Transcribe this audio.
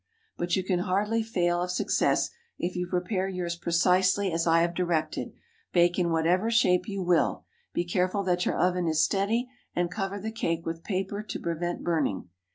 But you can hardly fail of success if you prepare yours precisely as I have directed, bake in whatever shape you will. Be careful that your oven is steady, and cover the cake with paper to prevent burning.